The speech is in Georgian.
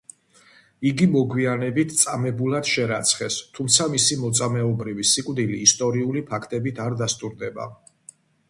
იგი მოგვიანებით წამებულად შერაცხეს, თუმცა მისი მოწამეობრივი სიკვდილი ისტორიული ფაქტებით არ დასტურდება.